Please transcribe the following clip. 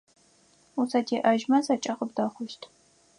Узэдеӏэжьмэ зэкӏэ къыбдэхъущт.